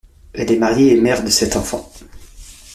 Elle est mariée et mère de sept enfants.